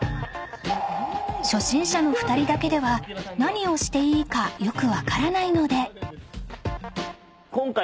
［初心者の２人だけでは何をしていいかよく分からないので］